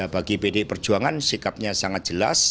bagi pdi perjuangan sikapnya sangat jelas